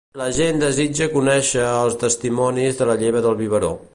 La gent desitja conèixer els testimonis de la Lleva del Biberó.